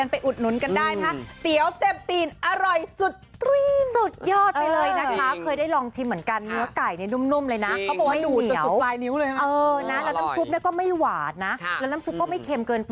ปลายกรี๊ง